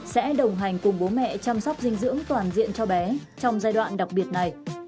sẽ đồng hành cùng bố mẹ chăm sóc dinh dưỡng toàn diện cho bé trong giai đoạn đặc biệt này